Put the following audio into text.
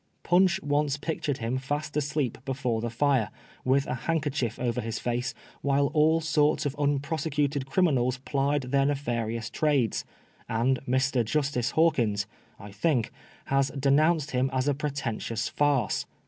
Pu/nch once pictnred him fast asleep before the fire, with a handker chief over his face, while all sorts of nnprosecnted criminals plied their nefarious trades ; and Mr. Justice Hawkins (I think) has denounced him as a pre tentious farce.